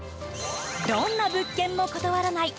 どんな物件も断らない